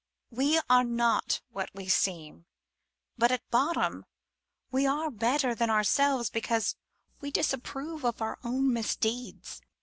We are not what we /' seem, but at bottom we are better than ourselves because we \ disapprove of our own misdeeds.